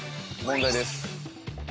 問題です